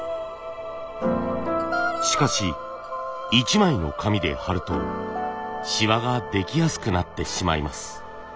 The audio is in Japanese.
しかし一枚の紙で貼るとシワができやすくなってしまいます。